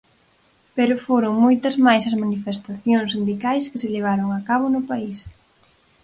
Pero foron moitas máis as manifestacións sindicais que se levaron a cabo no país.